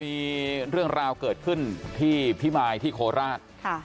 มีเรื่องราวเกิดขึ้นที่พิมายที่โคราช